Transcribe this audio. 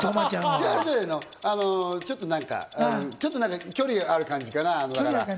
ちょっとなんか距離ある感じかな？